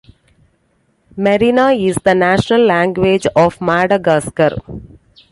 Merina is the national language of Madagascar.